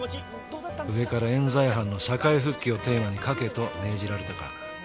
上から冤罪犯の社会復帰をテーマに書けと命じられたからだ。